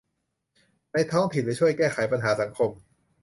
ในท้องถิ่นหรือช่วยแก้ไขปัญหาสังคม